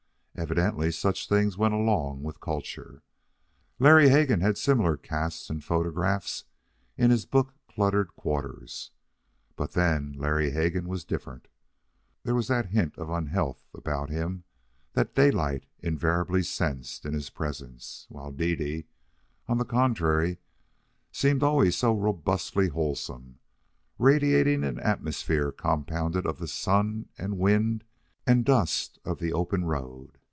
Evidently such things went along with culture. Larry Hegan had similar casts and photographs in his book cluttered quarters. But then, Larry Hegan was different. There was that hint of unhealth about him that Daylight invariably sensed in his presence, while Dede, on the contrary, seemed always so robustly wholesome, radiating an atmosphere compounded of the sun and wind and dust of the open road.